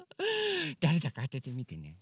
だれだかあててみてね。